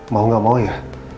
mau gak mau ya